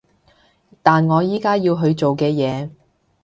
但我而家要去做嘅嘢